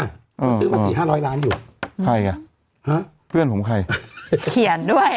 เขาซื้อมาสี่ห้าร้อยล้านอยู่อ่ะใครอ่ะฮะเพื่อนผมใครเขียนด้วย